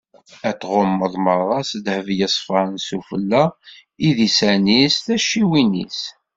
Ad t-tɣummeḍ meṛṛa s ddheb yeṣfan: s ufella, idisan-is, tacciwin-is.